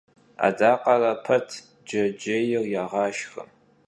Adakhere pet cecêyr yêğaşşxe.